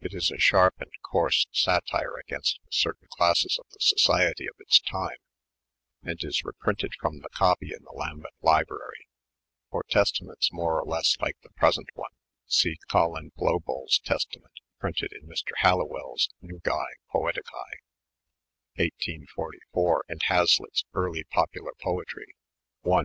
It is a sharp and coarse satire against certain classeB of the society of its time, and is reprinted from the copy in the Lambeth Library. For Testaments more or less like the present one, see Colyn Bhmbols TestamerU, printed in Mr. Halliwell's Nug(e PoeticcB, 1844, and Hazlitfs Earhj Pap. Poetry, i.